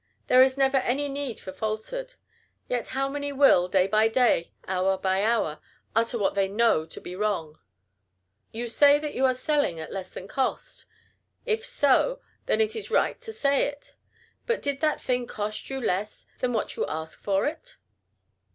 There is never any need of falsehood. Yet how many will, day by day, hour by hour, utter what they know to be wrong. You say that you are selling at less than cost. If so, then it is right to say it. But did that thing cost you less than what you ask for it?